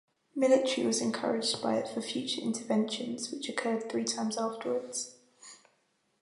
Military was encouraged by it for future interventions which occurred three times afterwards.